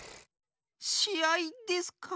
しあいですか？